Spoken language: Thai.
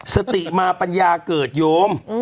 สติมาปัญญาเกิดโยม